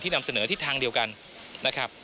นำเสนอทิศทางเดียวกันนะครับ